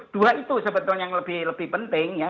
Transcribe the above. dua itu sebetulnya yang lebih penting ya